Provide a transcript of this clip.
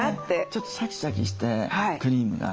ちょっとシャキシャキしてクリームが。